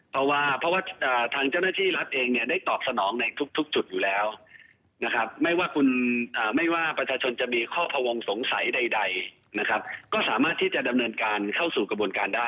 เพราะว่าทางเจ้าหน้าที่รัฐเองได้ตอบสนองในทุกจุดอยู่แล้วนะครับ